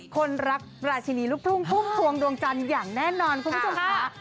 คนรักราชินีลูกทุ่งพุ่มพวงดวงจันทร์อย่างแน่นอนคุณผู้ชมค่ะ